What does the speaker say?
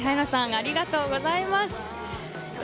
ありがとうございます。